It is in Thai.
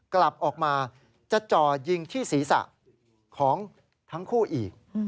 กลับออกมาจะจ่อยิงที่ศีรษะของทั้งคู่อีก